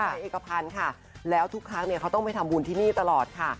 เอกพันธ์ค่ะแล้วทุกครั้งเนี่ยเขาต้องไปทำบุญที่นี่ตลอดค่ะ